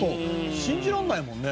信じられないもんね。